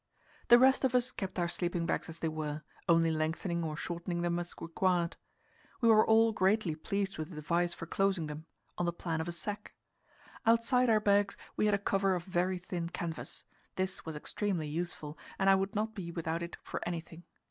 The rest of us kept our sleeping bags as they were, only lengthening or shortening them as required. We were all greatly pleased with the device for closing them on the plan of a sack. Outside our bags we had a cover of very thin canvas; this was extremely useful, and I would not be without it for anything.